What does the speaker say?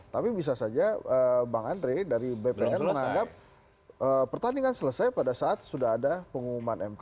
tapi bisa saja bang andre dari bpn menganggap pertandingan selesai pada saat sudah ada pengumuman mk